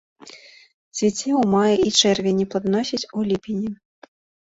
Цвіце ў маі і чэрвені, плоданасіць у ліпені.